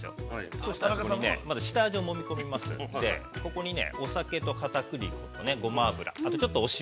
そしたら、そこにね、まず下味をもみ込みますんで、ここに、お酒と片栗粉とごま油あとちょっとお塩。